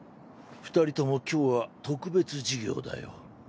二人とも今日は特別授業だよ。